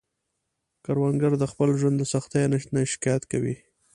کروندګر د خپل ژوند له سختیو نه نه شکايت کوي